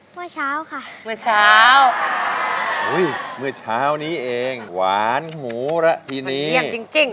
เมื่อเช้าค่ะเมื่อเช้าอุ้ยเมื่อเช้านี้เองหวานหมูแล้วทีนี้เยี่ยมจริงจริง